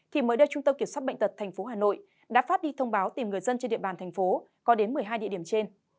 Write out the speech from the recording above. thì mới đây trung tâm kiểm soát bệnh tật tp hà nội đã phát đi thông báo tìm người dân trên địa bàn thành phố có đến một mươi hai địa điểm trên